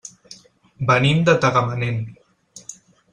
Venim de Tagamanent.